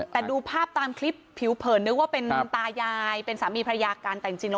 แต่ดูภาพตามคลิปผิวเผินนึกว่าเป็นตายายเป็นสามีภรรยากันแต่จริงแล้ว